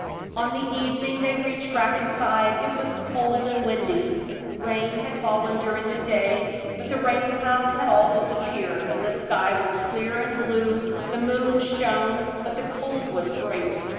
On the evening they reached Brackenside it was cold and windy. Rain had fallen during the day, but the rain clouds had all disappeared; the sky was clear and blue, the moon shone, but the cold was great.